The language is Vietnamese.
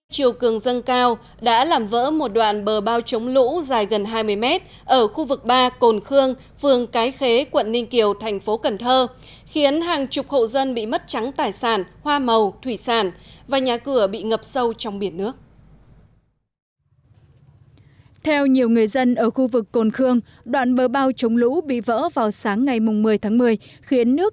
chiều cường dân cao đã làm vỡ một đoạn bờ bao chống lũ dài gần hai mươi mét ở khu vực ba cồn khương phường cái khế quận ninh kiều thành phố cần thơ khiến hàng chục hậu dân bị mất trắng tài sản hoa màu thủy sản và nhà cửa bị ngập sâu trong biển nước